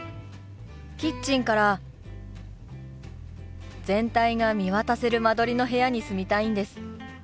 キッチンから全体が見渡せる間取りの部屋に住みたいんです。